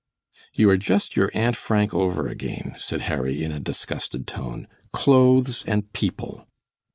"You are just your Aunt Frank over again," said Harry, in a disgusted tone; "clothes and people!"